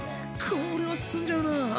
これはすすんじゃうな。